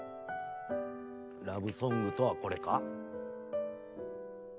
ラブソングとはこれか？